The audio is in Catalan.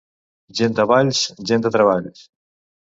Gent de Valls, gent de treballs.